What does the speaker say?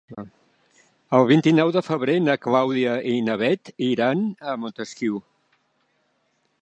El vint-i-nou de febrer na Clàudia i na Bet iran a Montesquiu.